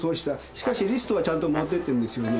しかしリストはちゃんと持ってってんですよね。